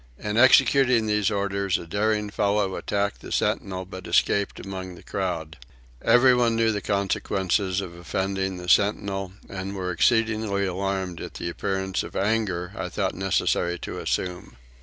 In executing these orders a daring fellow attacked the sentinel but escaped among the crowd. Everyone knew the consequence of offending the sentinel and were exceedingly alarmed at the appearance of anger I thought necessary to assume.